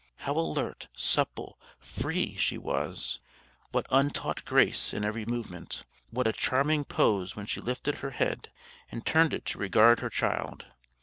How alert, supple, free, she was! What untaught grace in every movement! What a charming pose when she lifted her head, and turned it to regard her child!